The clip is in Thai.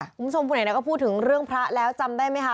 คุณผู้ชมผู้ไหนก็พูดถึงเรื่องพระแล้วจำได้ไหมคะ